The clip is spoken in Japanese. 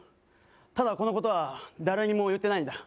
ただこのことは誰にも言ってないんだ